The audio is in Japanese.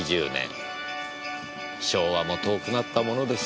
昭和も遠くなったものです。